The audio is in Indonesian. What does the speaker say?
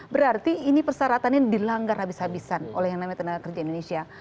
berarti ini persyaratannya dilanggar habis habisan oleh yang namanya tenaga kerja indonesia